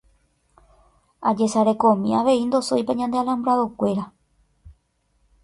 Ejesarekomi avei ndosóipa ñande alambrado-kuéra.